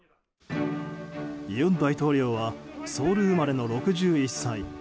尹大統領はソウル生まれの６１歳。